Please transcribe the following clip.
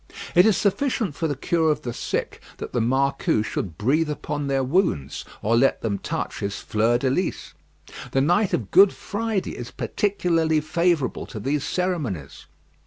It is sufficient for the cure of the sick that the marcou should breathe upon their wounds, or let them touch his fleur de lys. The night of Good Friday is particularly favourable to these ceremonies.